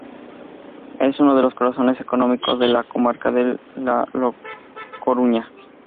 Es uno de los corazones económicos de la Comarca de La Coruña.